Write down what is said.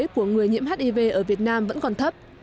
của người nhiễm hiv ở việt nam vẫn còn thấp